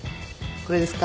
これですか？